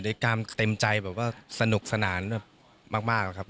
การเต็มใจแบบว่าสนุกสนานแบบมากครับ